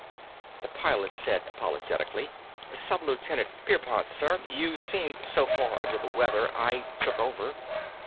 The pilot said apologetically, "Sub lieutenant Pierpont, sir. You seemed so far under the weather, I took over."